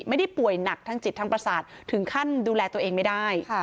ไม่ได้ป่วยหนักทางจิตทางประสาทถึงขั้นดูแลตัวเองไม่ได้